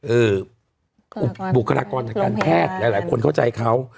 อื่อบุรกราคอนการแพทย์หลายสิข้าวใจเขา